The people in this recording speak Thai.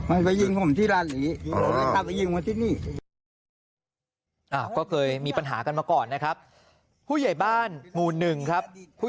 อ่าก็เคยมีปัญหากันมาก่อนนะครับผู้ใหญ่บ้านมูลหนึ่งครับผู้